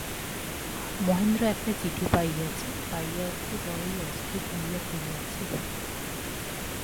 মহেন্দ্র একটা চিঠি পাইয়াছে, পাইয়া অবধি বড়োই অস্থির হইয়া পড়িয়াছে।